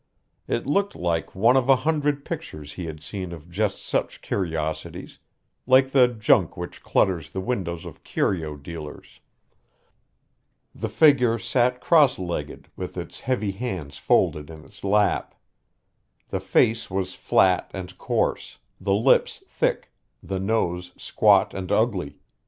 It looked like one of a hundred pictures he had seen of just such curiosities like the junk which clutters the windows of curio dealers. The figure sat cross legged with its heavy hands folded in its lap. The face was flat and coarse, the lips thick, the nose squat and ugly.